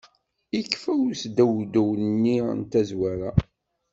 Yekfa usdewdew-nni n tazwara!